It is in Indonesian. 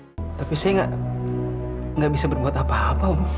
hai tapi saya enggak enggak bisa berbuat apa apa om